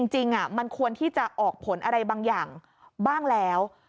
จริงมันควรที่จะออกผลอะไรบางอย่างบ้างแล้ว